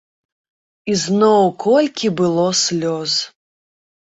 Ізноў колькі было слёз!